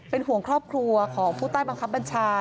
เป็นห่วงครอบครัวของผู้ใต้บังคับบัญชา